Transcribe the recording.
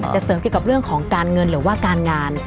จะเสริมเกี่ยวกับเรื่องของการเงินหรือว่าการงาน